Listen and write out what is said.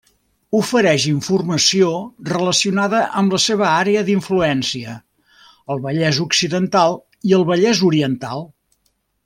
Ofereix informació relacionada amb la seva àrea d'influència, el Vallès Occidental i el Vallès Oriental.